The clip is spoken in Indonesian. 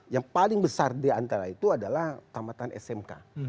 yang paling besar di antara itu adalah tamatan smk